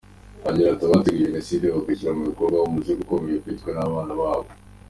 Agira ati “Abateguye Jenoside bakayishyira mu bikorwa, umuzigo ukomeye ufitwe n’abana babo.